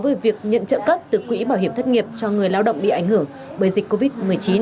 với việc nhận trợ cấp từ quỹ bảo hiểm thất nghiệp cho người lao động bị ảnh hưởng bởi dịch covid một mươi chín